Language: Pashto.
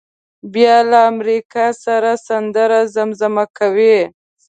بیا له امریکا سره سندره زمزمه کوي.